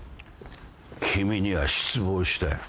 君には失望したよ。